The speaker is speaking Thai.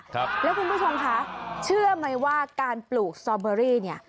ครับแล้วคุณผู้ชมคะเชื่อไหมว่าการปลูกสตอเบอรี่เนี่ย